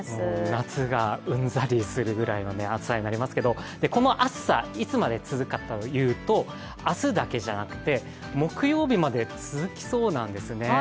夏がうんざりするぐらいの暑さになりますけどこの暑さ、いつまで続くかというと明日だけじゃなくて、木曜日まで続きそうなんですね。